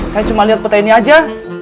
saya cuma lihat peta ini aja